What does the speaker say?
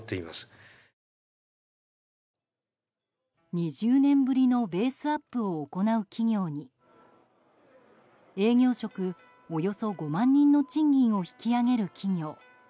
２０年ぶりのベースアップを行う企業に営業職およそ５万人の賃金を引き上げる企業。